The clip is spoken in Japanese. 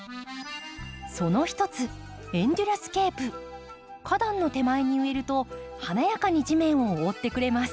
その一つ花壇の手前に植えると華やかに地面を覆ってくれます。